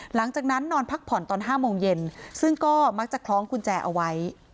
นอนพักผ่อนตอน๕โมงเย็นซึ่งก็มักจะคล้องกุญแจเอาไว้